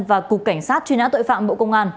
và cục cảnh sát truy nã tội phạm bộ công an